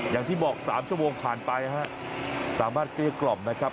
อย่างที่บอก๓ชั่วโมงผ่านไปฮะสามารถเกลี้ยกล่อมนะครับ